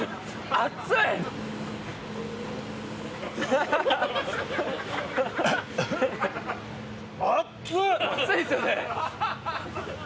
熱いですよね。